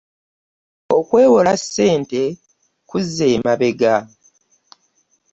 Okwewola ssente kuza emabega.